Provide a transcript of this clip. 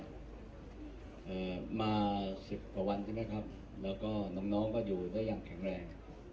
เอ่อมาสิบกว่าวันใช่ไหมครับแล้วก็น้องน้องก็อยู่ได้อย่างแข็งแรง